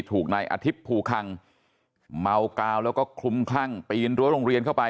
ถูกนายอาทิตย์ภูคังเมากาวแล้วก็คลุมคลั่งปีนรั้วโรงเรียนเข้าไป